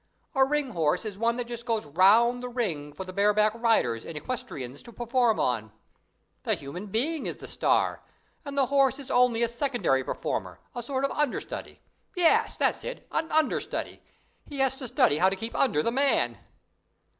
A ring horse is one that just goes round the ring for the bareback riders and equestriennes to perform on. The human being is the "star", and the horse in only a secondary performer, a sort of understudy; yes, that's it, an understudy he has to study how to keep under the man."